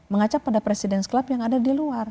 mengaca pada presiden club yang ada di luar